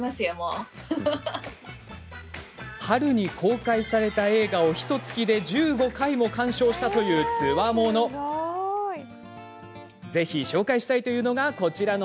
春に公開された映画をひとつきで１５回も鑑賞したというつわもの。